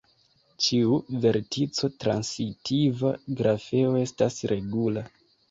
Ĉiu vertico-transitiva grafeo estas regula.